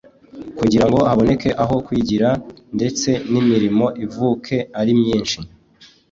kugira ngo haboneke aho kwigira ndetse n’imirimo ivuke ari myinshi